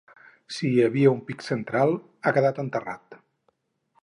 Si hi havia un pic central, ha quedat enterrat.